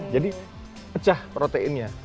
jadi pecah proteinnya